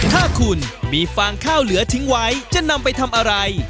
ถ้าคุณมีฟางข้าวเหลือทิ้งไว้จะนำไปทำอะไร